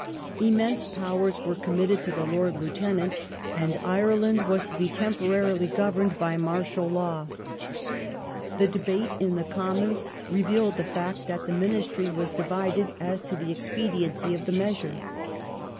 Immense powei's were committed to the Lord Lieutenant, and Ireland was to be tem porarily governed by martial law. The debate in the Commons revealed the fact that the Ministry was divided as to the exped iency of the measure.